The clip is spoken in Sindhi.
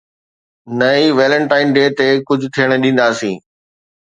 نه ئي ويلنٽائن ڊي تي ڪجهه ٿيڻ ڏينداسين.